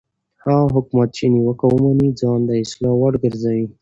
هغه حکومت چې نیوکه ومني ځان د اصلاح وړ ګرځوي